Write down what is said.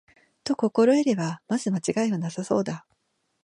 と心得れば、まず間違いはなさそうだ